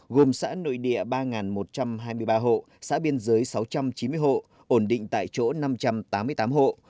gồm xã nội địa ba một trăm hai mươi ba hộ xã biên giới sáu trăm chín mươi hộ ổn định tại chỗ năm trăm tám mươi tám hộ